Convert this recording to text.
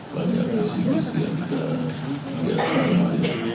banyak resimis yang kita lihat sama